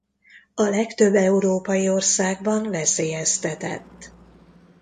A legtöbb európai országban veszélyeztetett.